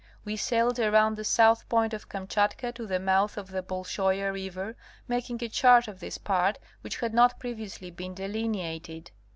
We sailed around the south point of Kamchatka to the mouth of the Bol shoia river, making a chart of this part which had not previously been delineated.